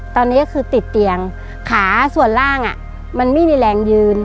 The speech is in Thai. ตอนนี้ก็คือติดเตียงขาส่วนล่างมันไม่มีแรงยืน